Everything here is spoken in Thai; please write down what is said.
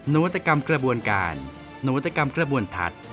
นวัตกรรมกระบวนการนวัตกรรมกระบวนทัศน์